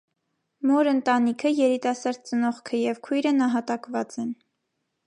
Մօրը ընտանիքը ՝ երիտասարդ ծնողքը եւ քոյրը նահատակուած են։